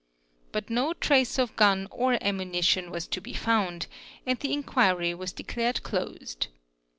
t no trace of gun or ammunition was to be found, and the inquiry was ared closed.